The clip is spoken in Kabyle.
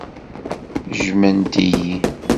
Jjment-iyi.